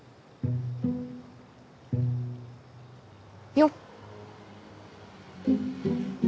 よっ！